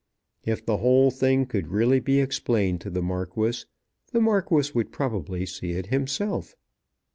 If the whole thing could really be explained to the Marquis, the Marquis would probably see it himself.